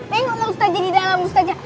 tengoklah ustazah di dalam ustazah